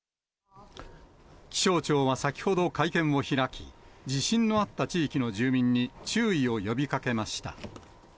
気象庁は先ほど会見を開き、地震のあった地域の住民に注意を呼びかけました。